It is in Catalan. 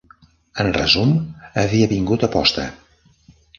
En resum, havia vingut a posta.